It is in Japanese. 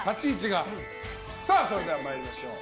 それでは参りましょう。